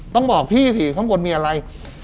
ต้องบอกพี่สิข้างบนมีอะไร